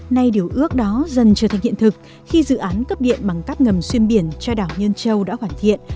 nay điều ước đó dần trở thành hiện thực khi dự án cấp điện bằng các ngầm xuyên biển cho đảo nhơn châu đã hoàn thiện